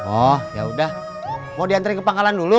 oh ya udah mau diantri ke pangkalan dulu